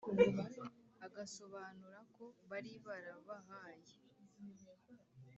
Agasobanura ko bari barabahaye